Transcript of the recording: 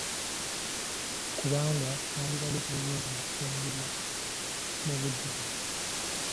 Kubanga wandibadde tolowooza nakufumbirwa mu budde buno.